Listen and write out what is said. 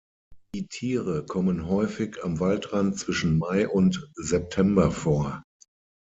Die Tiere kommen häufig am Waldrand zwischen Mai und September vor.